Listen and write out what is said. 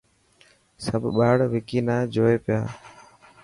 سڀ ٻاڙ وڪي نا جوئي پيا.